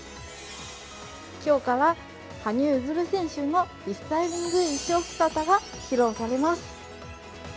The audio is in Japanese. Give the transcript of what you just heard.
今日から羽生結弦選手のリスタイリング衣裳姿が披露されます。